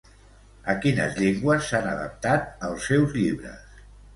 A quines llengües s'han adaptat els seus llibres?